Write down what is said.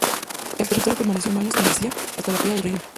El territorio permaneció en manos de Mercia hasta la caída del reino.